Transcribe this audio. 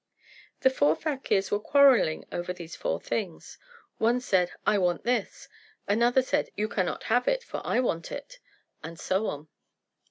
The four fakirs were quarrelling over these four things. One said, "I want this;" another said, "You cannot have it, for I want it;" and so on.